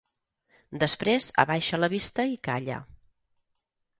Després abaixa la vista i calla.